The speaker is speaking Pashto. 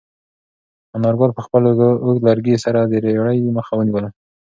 انارګل په خپل اوږد لرګي سره د رېړې مخه ونیوله.